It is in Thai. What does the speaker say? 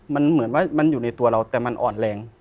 มันเหมือนว่ามันอยู่ในตัวเราแต่มันอ่อนแรง